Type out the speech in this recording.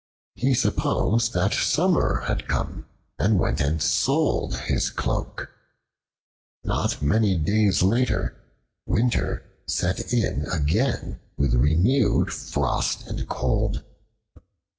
He supposed that summer had come, and went and sold his cloak. Not many days later, winter set in again with renewed frost and cold.